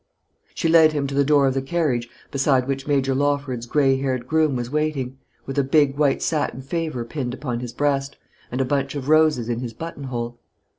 She led him to the door of the carriage beside which Major Lawford's gray haired groom was waiting, with a big white satin favour pinned upon his breast, and a bunch of roses in his button hole.